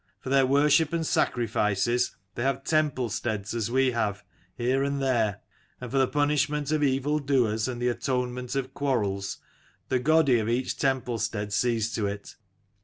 For their worship and sacrifices they have temple steads as we have, here and there : and for the punishment of evil doers and the atonement of quarrels, the godi of each temple stead sees to it.